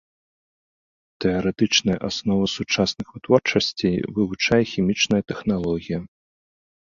Тэарэтычныя асновы сучасных вытворчасцей вывучае хімічная тэхналогія.